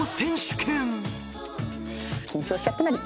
緊張しちゃったなり。